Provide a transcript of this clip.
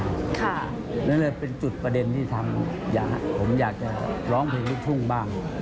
เพราะฉะนั้นเลยเป็นจุดประเด็นที่ทำผมอยากจะร้องเพลงลูกทุ่งบ้าง